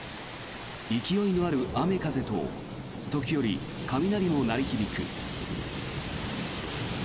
勢いのある雨、風と時折、雷も鳴り響く。